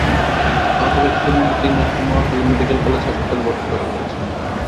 আহত ব্যক্তিদের মধ্যে তিনজনকে নোয়াখালী মেডিকেল কলেজ হাসপাতালে ভর্তি করা হয়েছে।